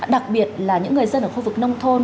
đặc biệt là những người dân ở khu vực nông thôn